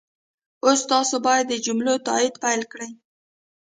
اوس تاسو باید د جملو تایید پيل کړئ.